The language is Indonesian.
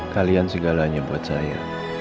kalian segalanya buat saya